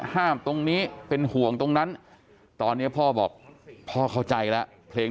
ตรงนี้เป็นห่วงตรงนั้นตอนนี้พ่อบอกพ่อเข้าใจแล้วเพลง